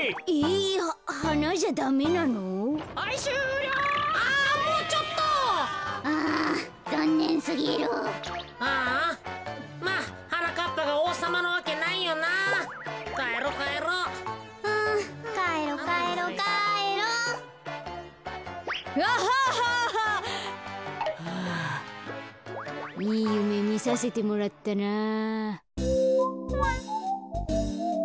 いいゆめみさせてもらったなあ。